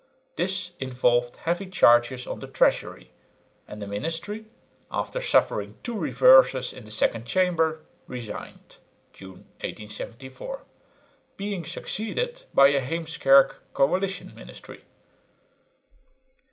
This involved heavy charges on the treasury; and the ministry, after suffering two reverses in the Second Chamber, resigned (June, 1874), being succeeded by a Heemskerk coalition ministry.